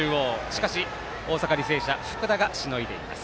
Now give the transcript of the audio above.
しかし大阪、履正社福田がしのいでいます。